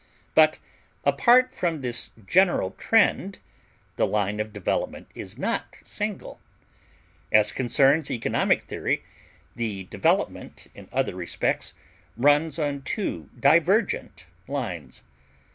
But apart from this general trend the line of development is not single. As concerns economic theory, the development in other respects runs on two divergent lines.